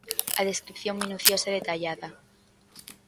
A descrición minuciosa e detallada.